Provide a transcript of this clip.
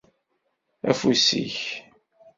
Afus-ik.